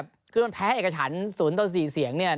คือมันแพ้เอกฉัน๐ต่อ๔เสียงเนี่ย